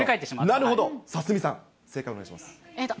なるほど、鷲見さん、正解お願いします。